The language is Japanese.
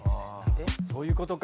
そういうことか。